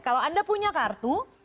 kalau anda punya kartu